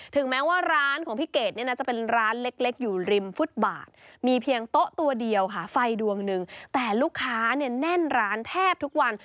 ถึงแม้ว่าร้านของพี่เกดเนี่ยนะจะเป็นร้านเล็กอยู่ริมฟุตบาทมีเพียงโต๊ะตัวเดียวค่ะไฟดวงหนึ่งแต่ลูกค้าเนี่ยแน่นร้านแทบทุกวัน